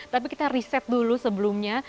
tapi kita riset dulu sebelumnya